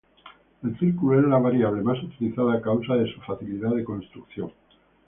El círculo es la variable más utilizada a causa de su facilidad de construcción.